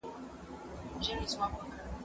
زه به سبا سړو ته خواړه ورکړم!.